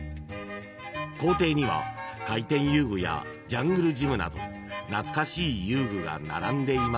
［校庭には回転遊具やジャングルジムなど懐かしい遊具が並んでいますが］